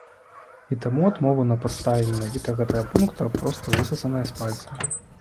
І таму адмова на падставе менавіта гэтага пункта проста выссаная з пальца.